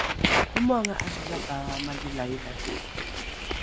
omoanga ’adhidhapae amali la inali